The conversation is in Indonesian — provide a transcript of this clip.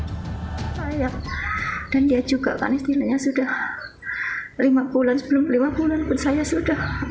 saya dan ya juga kan istilahnya sudah lima bulan sebelum lima bulan pun saya sudah